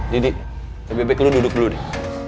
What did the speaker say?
didi ke bebek lu duduk dulu deh